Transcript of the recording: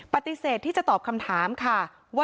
ปฏิเสธที่จะตอบคำถามค่ะ